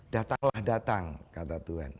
datanglah datang kata tuhan